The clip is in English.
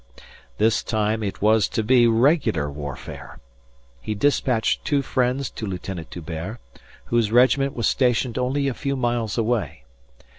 This time it was to be regular warfare. He dispatched two friends to Lieutenant D'Hubert, whose regiment was stationed only a few miles away.